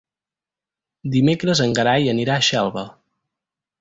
Dimecres en Gerai anirà a Xelva.